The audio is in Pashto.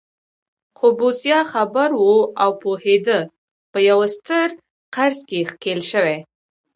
خو بوسیا خبر و او پوهېده په یوه ستر قرض کې ښکېل شوی.